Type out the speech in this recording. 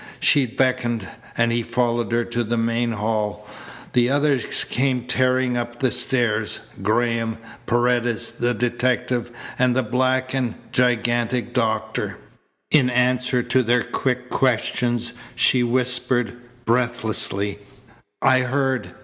She beckoned, and he followed her to the main hall. The others came tearing up the stairs Graham, Paredes, the detective, and the black and gigantic doctor. In answer to their quick questions she whispered breathlessly: "I heard.